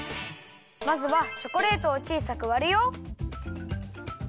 まずはチョコレートをちいさくわるよ！